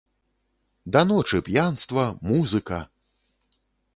Да ночы п'янства, музыка!